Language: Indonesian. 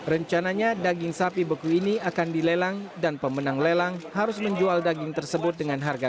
rencananya daging sapi beku ini akan dilelang dan pemenang lelang harus menjual daging tersebut dengan harga